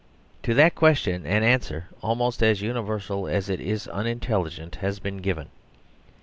To that question an answer almost as universal as it is unintelligent has been given.